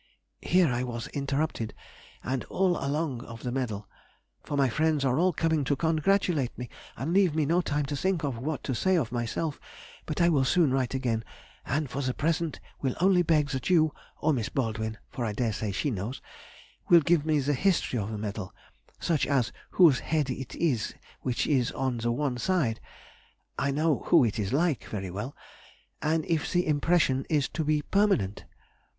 Here I was interrupted, and all along of the medal; for my friends are all coming to congratulate me, and leave me no time to think of what to say of myself; but I will soon write again, and for the present will only beg that you (or Miss Baldwin, for I dare say she knows,) will give me the history of the medal, such as whose head it is which is on the one side? (I know who it is like very well) and if the impression is to be permanent?